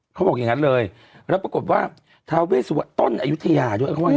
เขาบอกอย่างงั้นเลยแล้วปรากฏว่าทาเวสวันต้นอายุทยา